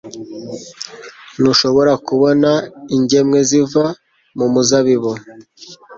Ntushobora kubona ingemwe ziva mumuzabibu.